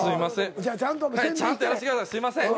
すいません。